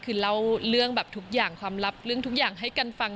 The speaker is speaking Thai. คือเล่าเรื่องแบบทุกอย่างความลับเรื่องทุกอย่างให้กันฟัง